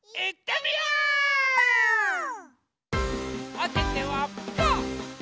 おててはパー！